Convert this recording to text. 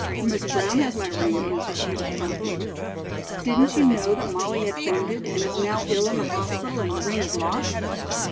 "Miss Brown has my ring," answered Judith promptly. "Didn't you know that Molly had fainted and is now ill in the hospital and the ring is lost?"